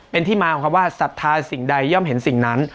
เป็นที่มาของคำว่าศรัทธาสิ่งใดย่อมเห็นสิ่งนั้น